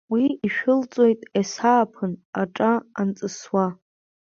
Уи лшәылҵоит ес-ааԥны, аҿа анҵысуа…